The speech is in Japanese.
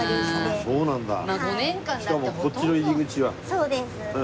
そうです。